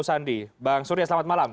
sandi bang surya selamat malam